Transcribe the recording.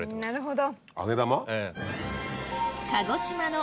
なるほど。